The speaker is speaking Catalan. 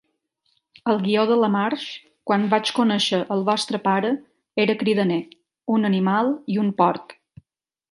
El guió de la Marge "Quan vaig conèixer el vostre pare, era cridaner, un animal i un porc".